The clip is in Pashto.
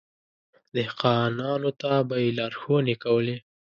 دهقانانو ته به يې لارښونې کولې.